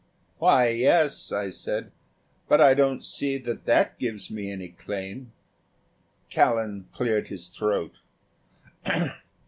"Why, yes," I said; "but I don't see that that gives me any claim." Callan cleared his throat.